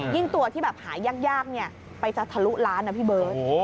ตัวที่แบบหายากไปจะทะลุล้านนะพี่เบิร์ต